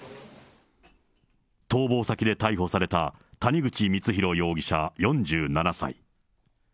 逃亡先で逮捕された、谷口光弘容疑者４７歳。